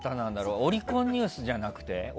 オリコンニュースじゃなくて？